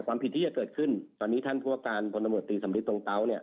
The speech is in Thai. ความผิดที่จะเกิดขึ้นตอนนี้ท่านผู้ว่าการพลตำรวจตีสำริทตรงเตาเนี่ย